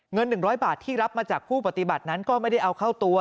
เงิน๑๐๐บาทที่รับมาจากผู้ปฏิบัตินั้นก็ไม่ได้เอาเข้าตัว